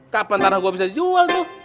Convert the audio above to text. kapan tanah gue bisa jual tuh